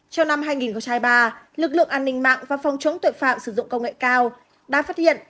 trong năm hai nghìn hai mươi ba lực lượng an ninh mạng và phòng chống tội phạm sử dụng công nghệ cao đã phát hiện